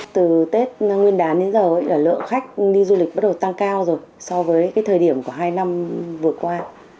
từ tết nguyên đán đến giờ lượng khách đi du lịch bắt đầu tăng cao rồi so với cái thời điểm của hai năm vừa qua